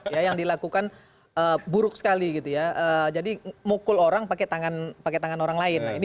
ya yang dilakukan buruk sekali jadi mukul orang pakai tangan orang lain